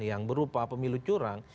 yang berupa pemilu curang